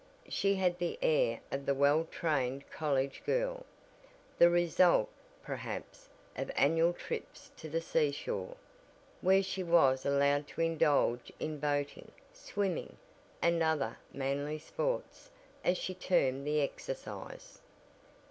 She had the air of the well trained college girl, the result, perhaps, of annual trips to the seashore, where she was allowed to indulge in boating, swimming, and other "manly sports" as she termed the exercise.